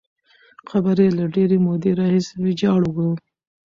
قبر یې له ډېرې مودې راهیسې ویجاړ وو.